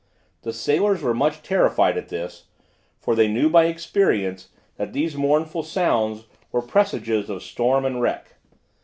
The sailors were much terrified at this, for they knew by experience, that these mournful sounds were presages of storm and wreck.